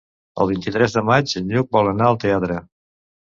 El vint-i-tres de maig en Lluc vol anar al teatre.